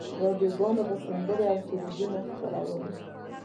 راډیوګانو به سندرې او سرودونه خپرولې.